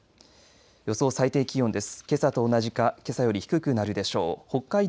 予想最低気温です。